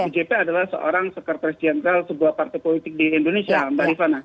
djp adalah seorang sekretaris jenderal sebuah partai politik di indonesia mbak rifana